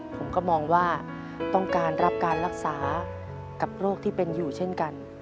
ผมก็มองว่าต้องการรับการรักษากับโรคที่เป็นอยู่เช่นกัน